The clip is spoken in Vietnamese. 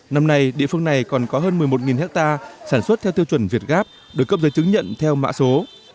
năm nay địa phương này còn có hơn một mươi một ha sản xuất theo tiêu chuẩn việt gap được cấp giới chứng nhận theo mạ số